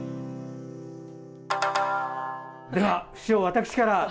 では、師匠、私から。